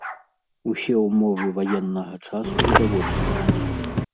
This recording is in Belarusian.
Усе ўмовы ваеннага часу відавочныя.